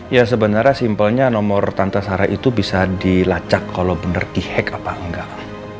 ya sebenarnya simpelnya nomor tante sarah itu bisa dilacak kalo bener di hack apa enggak